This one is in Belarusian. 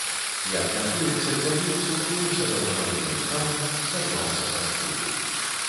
Як мяркуецца, цягнік сутыкнуўся з аўтамабільным кранам, сарваўся са схілу.